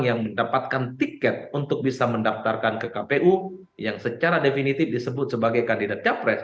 yang mendapatkan tiket untuk bisa mendaftarkan ke kpu yang secara definitif disebut sebagai kandidat capres